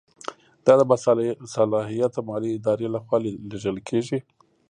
دا د باصلاحیته مالي ادارې له خوا لیږل کیږي.